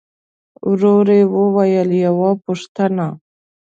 ورو يې وويل: يوه پوښتنه!